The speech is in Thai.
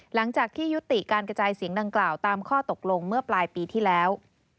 หลังจากที่ยุติการกระจายเสียงดังกล่าวตามข้อตกลงเมื่อปลายปีที่แล้ว